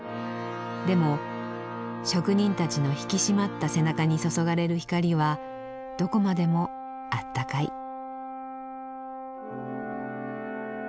でも職人たちの引き締まった背中に注がれる光はどこまでもあったかい。